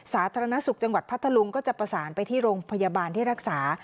สาธารณสุขจังหวัดพัทธลุงก็จะประสานไปที่โรงพยาบาลที่รักษา